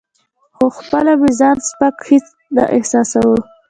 خو خپله مې ځان سپک هیڅ نه احساساوه.